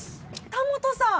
田元さん。